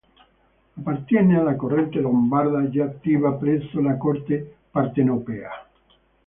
Appartiene alla corrente lombarda già attiva presso la Corte Partenopea.